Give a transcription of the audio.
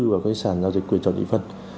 vào các sản giao dịch quyền chọn nhị phân